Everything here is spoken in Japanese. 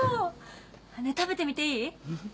食べてみていい？